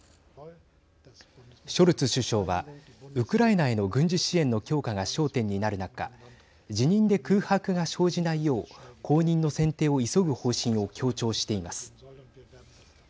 ショルツ首相はウクライナへの軍事支援の強化が焦点になる中辞任で空白が生じないよう後任の選定を急ぐ方針を強調しています。